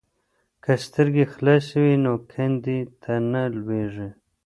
که سترګې خلاصې وي نو کندې ته نه لویږي.